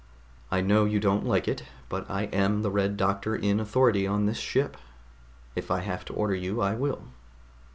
I know you don't like it, but I am the Red Doctor in authority on this ship. If I have to order you, I will."